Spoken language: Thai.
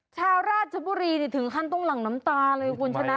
ชาวราชบุรีถึงขั้นต้องหลั่งน้ำตาเลยคุณชนะ